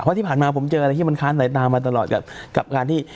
สตรงที่ผ่านมาผมเห็นแบบว่าอันนี้มันค้านสายตามาตลอดกับตัวบทกดบอกอย่างนี้